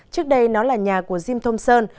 trước đây nó là nhà của jim thomson